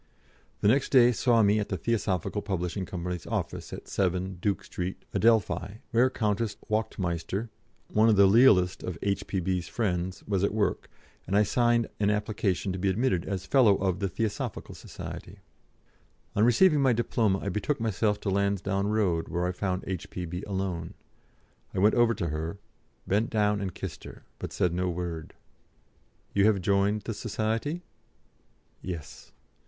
The next day saw me at the Theosophical Publishing Company's office at 7, Duke Street, Adelphi, where Countess Wachtmeister one of the lealest of H.P.B.'s friends was at work, and I signed an application to be admitted as fellow of the Theosophical Society. On receiving my diploma I betook myself to Lansdowne Road, where I found H.P.B. alone. I went over to her, bent down and kissed her, but said no word. "You have joined the Society?" "Yes."